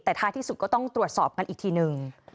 แต่ท้ายที่สุดก็ต้องตรวจสอบกันอีกทีนึง